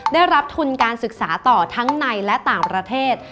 ได้รับทุนการศึกษาต่อทั้งในและต่างประเทศ